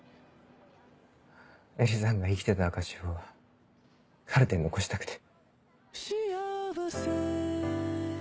絵理さんが生きてた証しをカルテに残したくて。